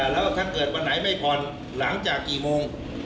แล้วถ้าเกิดวันไหนไม่ผ่อนหลังจากกี่โมง